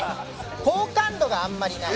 好感度があんまりない。